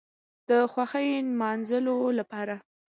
د خوښۍ نماځلو لپاره